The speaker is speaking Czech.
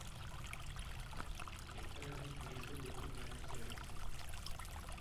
Některé z nich nejsou dostupné po silnici.